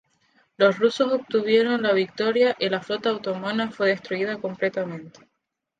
Los rusos obtuvieron la victoria y la flota otomana fue destruida totalmente.